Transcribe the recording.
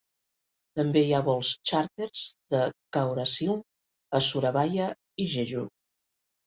També hi ha vols xàrter de Kaurasiung a Surabaya i Jeju.